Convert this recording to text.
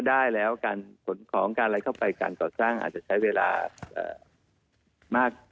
ได้แล้วการขนของการอะไรเข้าไปการก่อสร้างอาจจะใช้เวลามาก